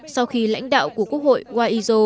sau khi lãnh đạo của quốc hội guaido tự nhận là tổng thống